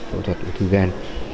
phẫu thuật ưu thư gan